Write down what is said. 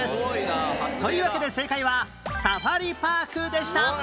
というわけで正解はサファリパークでした